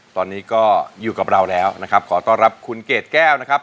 ตอนนี้ก็อยู่กับเราแล้วนะครับขอต้อนรับคุณเกดแก้วนะครับ